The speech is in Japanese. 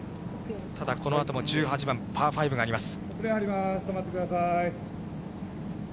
ただ、このあとも１８番パー５があります。